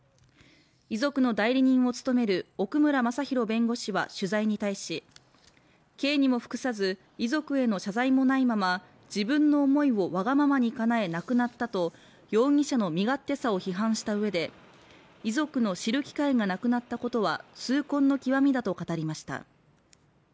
遺族の代理人を務める奥村昌裕弁護士は取材に対し、刑にも服さず遺族への謝罪もないまま自分の思いをわがままにかなえ亡くなったと、容疑者の身勝手さを批判したうえで、遺族の知る機会がなくなったことは痛恨の極みだと語りました。